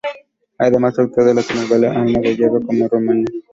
Además, actuó en la telenovela Alma de hierro como Romina.